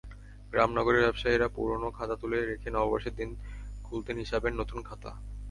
গ্রাম-নগরের ব্যবসায়ীরা পুরোনো খাতা তুলে রেখে নববর্ষের দিন খুলতেন হিসাবের নতুন খাতা।